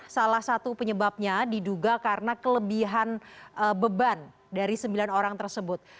salah satu penyebabnya diduga karena kelebihan beban dari sembilan orang tersebut